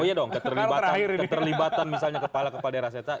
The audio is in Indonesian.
oh iya dong keterlibatan misalnya kepala kepala daerah saya